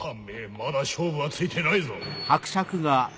まだ勝負はついてないぞ。